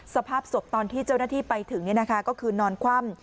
สภาพศพตอนที่เจ้าหน้าที่ไปถึงก็คือนอนคว่ำ